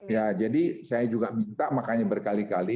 ya jadi saya juga minta makanya berkali kali